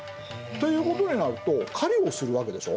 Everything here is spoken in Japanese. ということになると狩りをするわけでしょ？